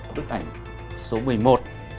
bức ảnh số một mươi một